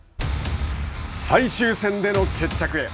最終戦での決着へ。